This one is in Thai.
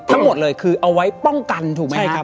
ทั้งหมดเลยคือเอาไว้ป้องกันถูกไหมใช่ครับ